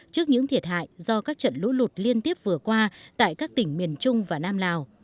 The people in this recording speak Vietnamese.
trước những thiệt hại do các trận lũ lụt liên tiếp vừa qua tại các tỉnh miền trung và nam lào